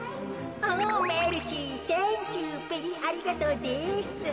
おメルシーサンキューベリーありがとうです。